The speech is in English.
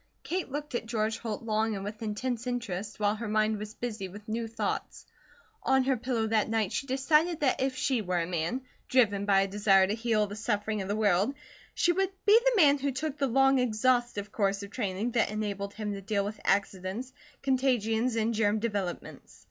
Kate looked at George Holt long and with intense interest, while her mind was busy with new thoughts. On her pillow that night she decided that if she were a man, driven by a desire to heal the suffering of the world, she would be the man who took the long exhaustive course of training that enabled him to deal with accidents, contagions, and germ developments.